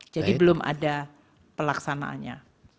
jadi belum ada pelaksanaannya